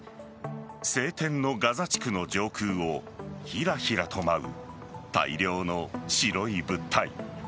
晴天のガザ地区の上空をひらひらと舞う大量の白い物体。